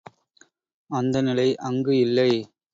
அந்த நிலை அங்கு இல்லை.